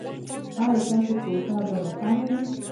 ایا ستاسو کوټه به روښانه وي؟